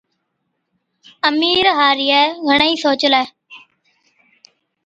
امِير هارِيئَي گھڻَي ئِي سوچلَي،